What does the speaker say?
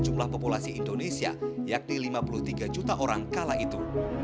jumlah populasi indonesia yakni lima puluh tiga juta orang kala itu